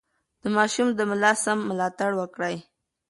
د ماشوم د ملا سم ملاتړ وکړئ.